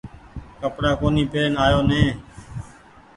ڪپڙآ ڪونيٚ پيرين آيو نئي ۔